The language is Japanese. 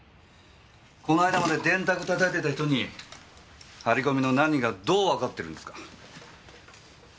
こないだまで電卓たたいてた人に張り込みの何がどうわかってるんですか。